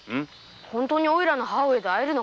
本当においらの母上と会えるのかい？